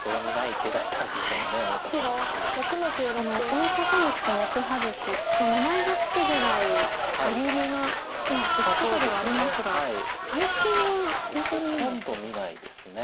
大高目と目外し名前が付くぐらい有名な打ち方ではありますが最近は本当に見ないですね。